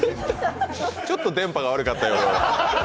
ちょっと電波が悪かったようで。